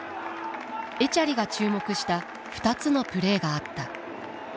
エチャリが注目した２つのプレーがあった。